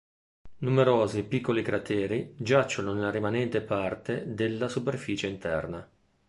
Numerosi piccoli crateri giacciono nella rimanente parte della superficie interna.